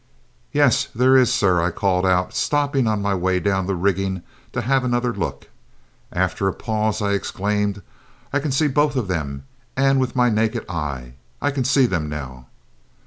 "Yes, there is, sir," I called out, stopping on my way down the rigging to have another look. After a pause I exclaimed, "I can see both of them, and with my naked eye. I can see them now!"